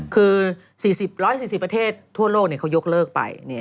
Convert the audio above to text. คือ๔๐๑๔๐ประเทศทั่วโลกเขายกเลิกไป